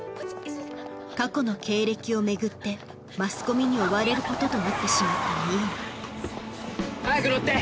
過去の経歴を巡ってマスコミに追われることとなってしまった海音早く乗って！